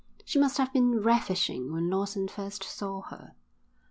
She must have been ravishing when Lawson first saw her.